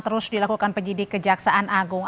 terus dilakukan penyidik kejaksaan agung